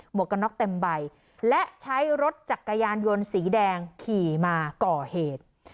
วกกันน็อกเต็มใบและใช้รถจักรยานยนต์สีแดงขี่มาก่อเหตุ